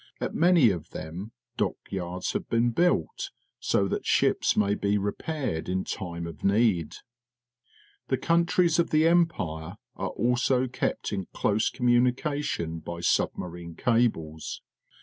At many of them dock yards have been built, so that ships ma}' be repaired m time of need. The countries of the Empire are also kept in close conomunication by submarine cables.